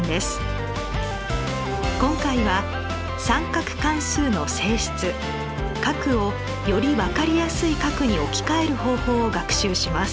今回は角をより分かりやすい角に置き換える方法を学習します。